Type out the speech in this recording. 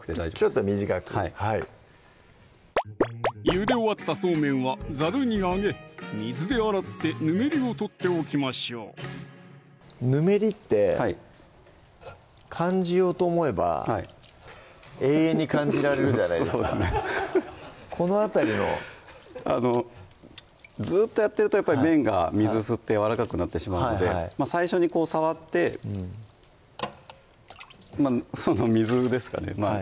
ちょっと短くはいゆで終わったそうめんはザルにあげ水で洗ってぬめりを取っておきましょうぬめりって感じようと思えば永遠に感じられるじゃないですかそうですねこの辺りのずっとやってると麺が水を吸ってやわらかくなってしまうので最初に触ってまぁその水ですかね